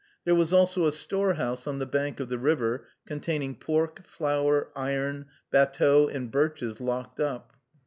There was also a store house on the bank of the river, containing pork, flour, iron, batteaux, and birches, locked up.